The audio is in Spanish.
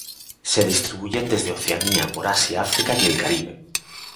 Se distribuyen desde Oceanía, por Asia, África y el Caribe.